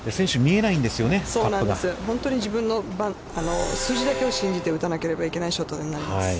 自分の数字などを信じて打たなければいけないショットになります。